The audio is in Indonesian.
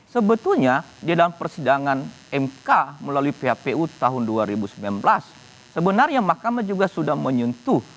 sebetulnya di dalam persidangan mk melalui phpu tahun dua ribu sembilan belas sebenarnya mahkamah juga sudah menyentuh